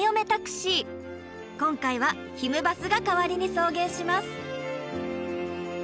今回はひむバスが代わりに送迎します。